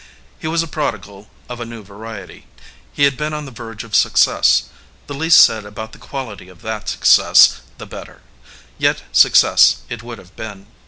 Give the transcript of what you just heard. He was a prodigal of a new variety. He had been on the verge of success. The least said about the quality of that success the better; yet success it would have been.